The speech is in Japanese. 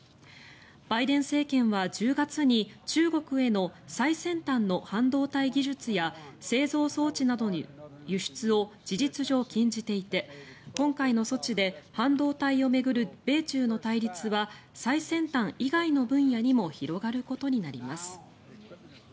バイデン政権は１０月に中国への最先端の半導体技術や製造装置などの輸出を事実上禁じていて今回の措置で半導体を巡る米中の対立は最先端以外の分野にも広がることになります。